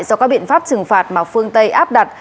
do các biện pháp trừng phạt mà phương tây áp đặt